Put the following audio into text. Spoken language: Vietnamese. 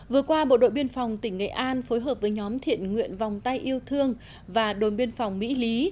vừa qua bộ đội biên phòng tỉnh nghệ an phối hợp với nhóm thiện nguyện vòng tay yêu thương và đồn biên phòng mỹ lý